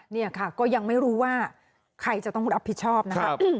นี่ค่ะก็ยังไม่รู้ว่าใครจะต้องรับผิดชอบนะครับ